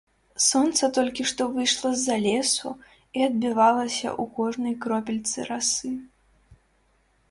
Сонца толькі што выйшла з-за лесу і адбівалася ў кожнай кропельцы расы.